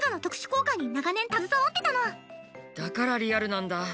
だからリアルなんだ。